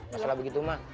masalah begitu mah